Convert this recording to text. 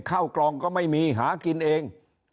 ข้าวกล่องก็ไม่มีหากินเอง